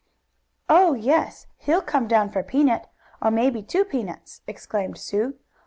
"Oh, yes, he'll come down for a peanut, or maybe two peanuts!" exclaimed Sue.